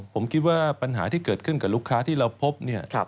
ผมคิดว่าปัญหาที่เกิดขึ้นกับลูกค้าที่เราพบเนี่ย